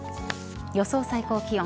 予想最高気温。